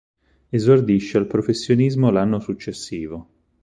Esordisce al professionismo l'anno successivo.